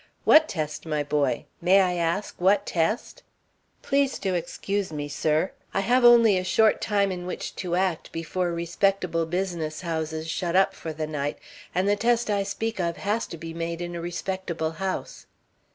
"What test, my boy? May I ask, what test?" "Please to excuse me, sir; I have only a short time in which to act before respectable business houses shut up for the night, and the test I speak of has to be made in a respectable house."